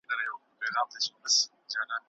د کوټو شمېر او د کورونو حالت د ژوند معيار ټاکي.